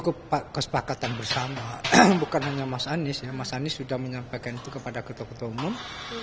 kesepakatan bersama bukan hanya mas anies ya mas anies sudah menyampaikan itu kepada ketua ketua umum